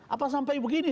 apakah sampai begini